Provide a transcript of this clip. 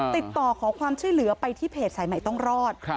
ติดต่อขอความช่วยเหลือไปที่เพจสายใหม่ต้องรอด